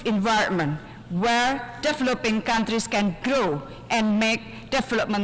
di mana negara negara yang berkembang bisa berkembang dan membuat kembang